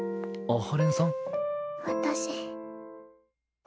あっ。